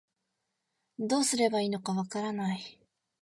どうすればいいのかわからない